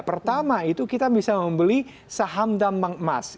pertama itu kita bisa membeli saham tambang emas